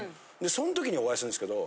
そん時にお会いするんですけど。